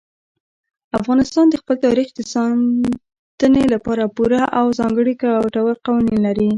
افغانستان د خپل تاریخ د ساتنې لپاره پوره او ځانګړي ګټور قوانین لري.